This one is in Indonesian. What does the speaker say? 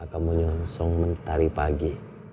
akan menyusung mentari pagi